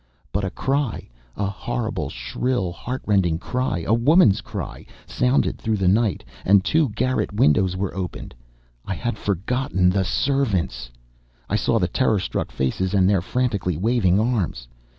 But a cry, a horrible, shrill, heartrending cry, a woman's cry, sounded through the night, and two garret windows were opened! I had forgotten the servants! I saw the terrorstruck faces, and their frantically waving arms!...